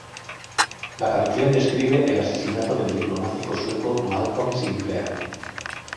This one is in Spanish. La canción describe el asesinato del diplomático sueco Malcolm Sinclair.